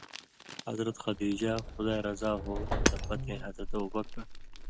حضرت خدیجہ (خُدائے رضا ہو) نہ پتَیں حضرت ابوبکر،